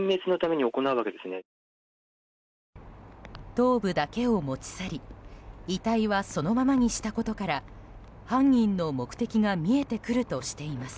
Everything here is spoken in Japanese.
頭部だけを持ち去り遺体はそのままにしたことから犯人の目的が見えてくるとしています。